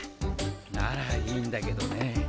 ならいいんだけどね。